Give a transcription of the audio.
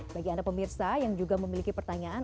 bagi anda pemirsa yang juga memiliki pertanyaan